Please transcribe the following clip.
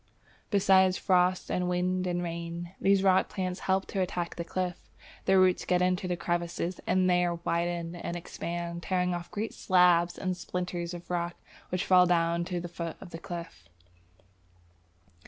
Besides frost and wind and rain, these rock plants help to attack the cliff. Their roots get into the crevices, and there widen and expand, tearing off great slabs and splinters of rock which fall down to the foot of the cliff.